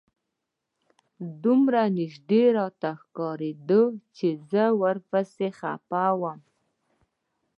دومره نژدې راته ښکارېده چې زه ورپسې خپه وم.